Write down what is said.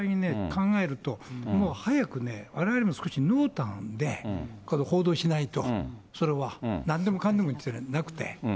という具合にね、考えると、早くね、われわれも少し濃淡で報道しないと、それは、なんでもかんでもじゃなくて。